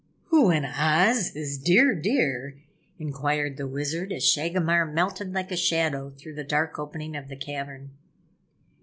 "Who in Oz, is Dear Deer?" inquired the Wizard, as Shagomar melted like a shadow through the dark opening of the cavern.